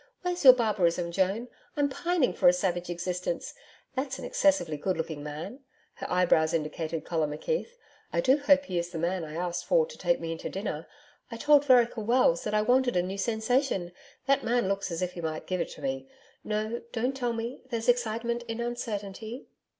Where's your barbarism, Joan? ... I'm pining for a savage existence.... That's an excessively good looking man' her eyebrows indicated Colin McKeith 'I do hope he is the man I asked for to take me in to dinner I told Vereker Wells that I wanted a new sensation that man looks as if he might give it to me No, don't tell me: there's excitement in uncertainty.'